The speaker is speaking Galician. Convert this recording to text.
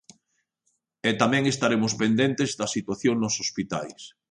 E tamén estaremos pendentes da situación nos hospitais.